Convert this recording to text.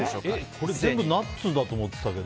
これ、全部ナッツだと思ってたけど。